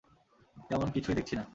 তেমন কিছুই দেখছি না।